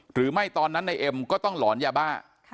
หรือไม่ตอนนั้นนายเอ็มก็ต้องหลอนยาบ้า